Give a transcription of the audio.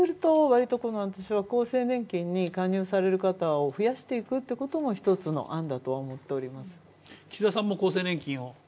厚生年金に加入される方を増やしていくっていうのは一つの案だと思っております。